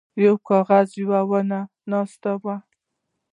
یو کارغه په یو ونې ناست و.